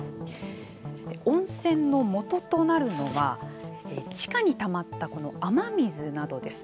温泉のもととなるのは地下にたまったこの雨水などです。